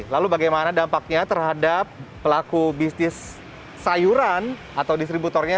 lalu bagaimana dampaknya terhadap pelaku bisnis sayuran atau distributornya